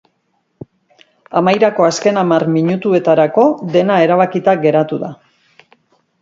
Amairako azken hamar minutuetarako dena erabakita geratu da.